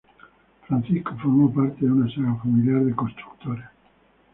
Francisco formó parte de una saga familiar de constructores.